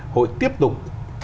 hội tiếp tục